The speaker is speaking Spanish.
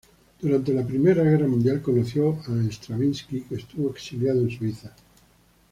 Durante la Primera Guerra Mundial, conoció a Stravinsky, que estuvo exiliado en Suiza.